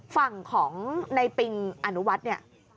ฝั่งของในปิงอนุวัฒน์เนี่ย